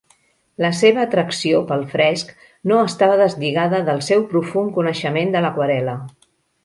La seva atracció pel fresc no estava deslligada del seu profund coneixement de l'aquarel·la.